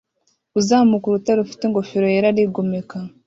Uzamuka urutare rufite ingofero yera arigomeka